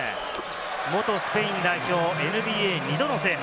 元スペイン代表、ＮＢＡ２度の制覇。